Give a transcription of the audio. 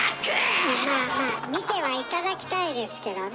まあまあ見ては頂きたいですけどね。